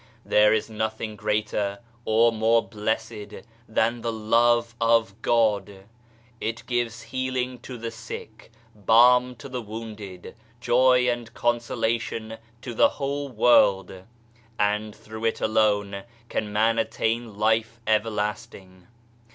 There is nothing greater or more blessed than the Love of God I It gives healing to the sick, balm to the wounded, joy and consolation to the whole world, and through it alone can man attain Life Everlasting.